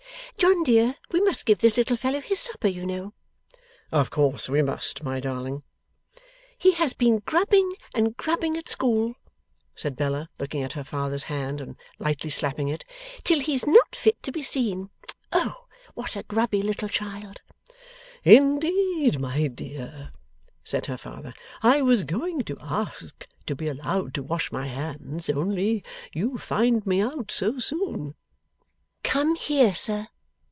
John dear, we must give this little fellow his supper, you know.' 'Of course we must, my darling.' 'He has been grubbing and grubbing at school,' said Bella, looking at her father's hand and lightly slapping it, 'till he's not fit to be seen. O what a grubby child!' 'Indeed, my dear,' said her father, 'I was going to ask to be allowed to wash my hands, only you find me out so soon.' 'Come here, sir!